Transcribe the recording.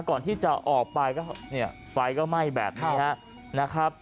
ก่อนที่จะออกไปก็เนี่ยไฟก็ไหม้แบบนี้นะครับ